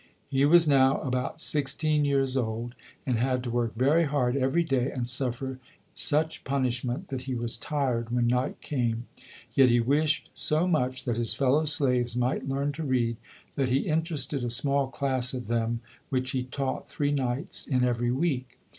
He was now about sixteen years old, and had to work very hard every day and suffer such pun ishment that he was tired when night came. Yet he wished so much that his fellow slaves might learn to read that he interested a small class of them, which he taught three nights in every week.